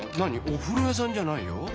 おふろやさんじゃないよ。